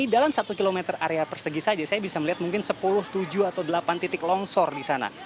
dalam satu km area persegi saja saya bisa melihat mungkin sepuluh tujuh atau delapan titik longsor di sana